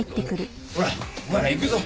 ほらお前ら行くぞ。